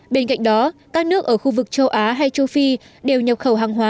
bên cạnh đó các nước ở khu vực châu á hay châu phi đều nhập khẩu hàng hóa